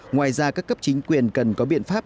ngoài ra các cấp chính quyền cần có biện pháp